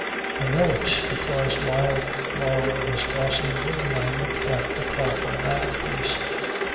I know it, because while Marlow was crossing the room I looked at the clock on the mantelpiece.